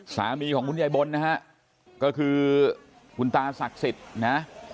สามีของคุณยายบนนะฮะก็คือคุณตาศักดิ์สิทธิ์นะ